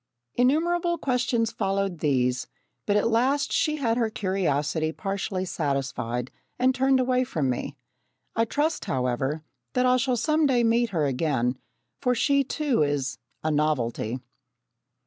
Innumerable questions followed these, but at last she had her curiosity partially satisfied and turned away from me. I trust, however, that I shall some day meet her again, for she too is "a novelty!"